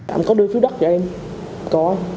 ông có đưa phí đất cho em có